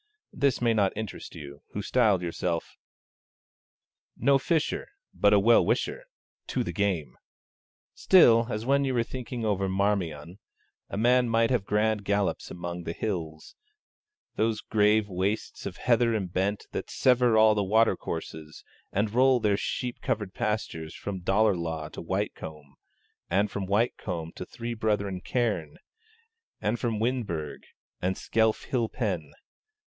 This may not interest you, who styled yourself No fisher, But a well wisher To the game! Still, as when you were thinking over Marmion, a man might have 'grand gallops among the hills' those grave wastes of heather and bent that sever all the watercourses and roll their sheep covered pastures from Dollar Law to White Combe, and from White Combe to the Three Brethren Cairn and the Windburg and Skelf hill Pen.